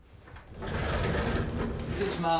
失礼します。